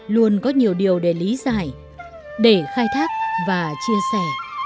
luôn có nhiều điều để lý giải để khai thác và chia sẻ